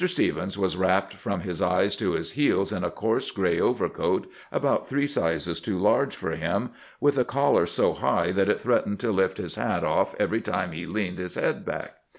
Stephens was wrapped from his eyes to his heels in a coarse gray overcoat about three sizes too la, rge for him, with a collar so high that it threatened to lift his hat off every time he leaned his head back.